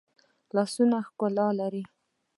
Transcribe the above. لاسونه ښکلا لري